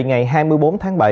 ngày hai mươi bốn tháng bảy